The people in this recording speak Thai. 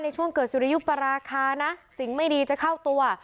ในช่วงเกิดสุริยุปราคานะสิ่งไม่ดีจะเข้าตัว